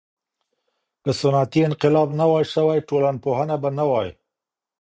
که صنعتي انقلاب نه وای سوی، ټولنپوهنه به نه وای.